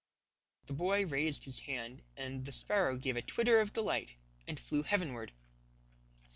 The boy raised his hand, and the sparrow gave a twitter of delight and flew heavenward.